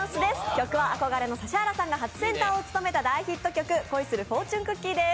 曲は憧れの指原さんが初センターを務めた大ヒット曲「恋するフォーチュンクッキー」です。